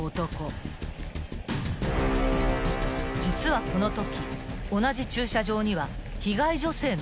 ［実はこのとき同じ駐車場には］